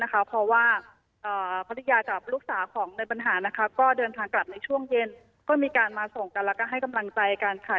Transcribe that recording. เพราะว่าภรรยากับลูกสาวของในปัญหาก็เดินทางกลับในช่วงเย็นก็มีการมาส่งกันแล้วก็ให้กำลังใจกันค่ะ